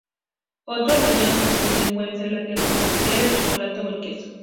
Otros rellenos comunes pueden ser la crema pastelera, el chocolate o el queso.